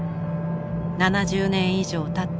７０年以上たった